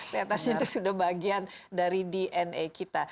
lihat aja itu sudah bagian dari dna kita